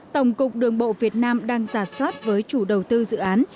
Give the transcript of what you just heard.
tổng cục đường bộ việt nam đang giả soát với chủ đầu tư dự án